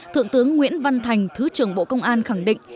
thượng tướng nguyễn văn thành thứ trưởng bộ công an khẳng định